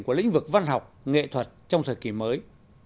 của lĩnh vực văn học nghệ thuật trong thời kỳ mới